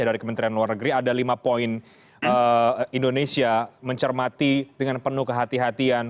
dari kementerian luar negeri ada lima poin indonesia mencermati dengan penuh kehatian kehatian